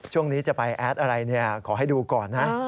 ช่วงนี้จะไปแอดอะไรขอให้ดูก่อนนะ